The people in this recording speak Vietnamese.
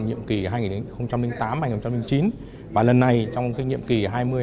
nhiệm kỳ hai nghìn tám hai nghìn chín và lần này trong cái nhiệm kỳ hai nghìn hai mươi